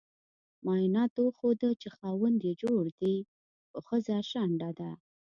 معایناتو وخوده چې خاوند یي جوړ دې خو خځه شنډه ده